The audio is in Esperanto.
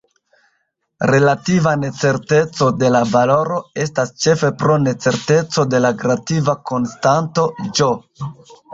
Relativa necerteco de la valoro estas ĉefe pro necerteco de la gravita konstanto "G".